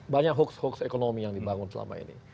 banyak hoax hoax ekonomi yang dibangun selama ini